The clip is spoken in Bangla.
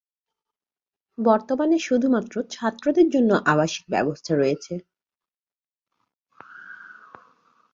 বর্তমানে শুধুমাত্র ছাত্র দের জন্য আবাসিক ব্যবস্থা রয়েছে।